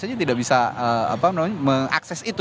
saya tidak bisa mengakses itu